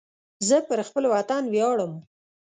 زه پر خپل وطن ویاړم